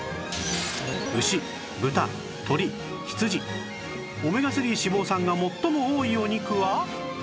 牛豚鶏羊オメガ３脂肪酸が最も多いお肉は？